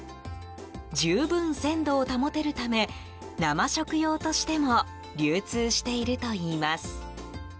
十分鮮度を保てるため生食用としても流通しているといいます。